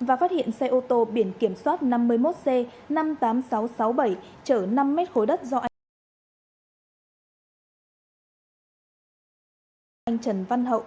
và phát hiện xe ô tô biển kiểm soát năm mươi một c năm mươi tám nghìn sáu trăm sáu mươi bảy chở năm m khối đất do anh trần văn hậu